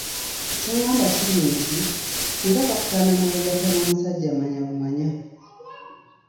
Kye ngamba kiri nti, singa kakutanda ne weegatta n'omusajja manya bumanya